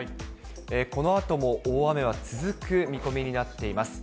このあとも大雨は続く見込みになっています。